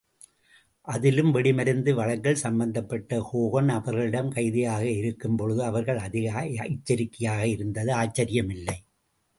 அதிலும் வெடிமருந்து வழக்கில் சம்பந்தப்பட்ட ஹோகன் அவர்களிடம் கைதியாக இருக்கும் பொழுது அவர்கள் அதிக எச்சரிக்கையாயிருந்தது ஆச்சரியமில்லை.